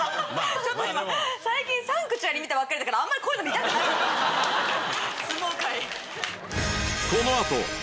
最近『サンクチュアリ』見たばっかりだからあんまりこういうの見たくない相撲界。